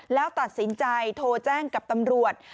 แล้วตัดสินใจโทรแจ้งกับตำรวจ